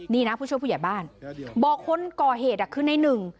นี่นะผู้ช่วยผู้ใหญ่บ้านบอกคนก่อเหตุคือในหนึ่ง